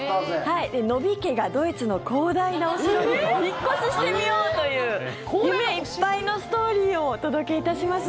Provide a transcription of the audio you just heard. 野比家がドイツの広大なお城に引っ越ししてみようという夢いっぱいのストーリーをお届けいたします。